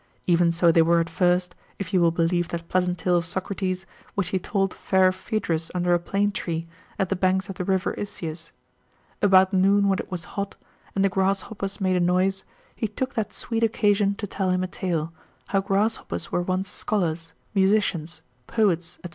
Even so they were at first, if you will believe that pleasant tale of Socrates, which he told fair Phaedrus under a plane tree, at the banks of the river Iseus; about noon when it was hot, and the grasshoppers made a noise, he took that sweet occasion to tell him a tale, how grasshoppers were once scholars, musicians, poets, &c.